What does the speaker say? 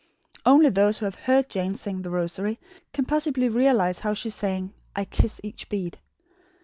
Only those who have heard Jane sing THE ROSARY can possibly realise how she sang "I KISS EACH BEAD."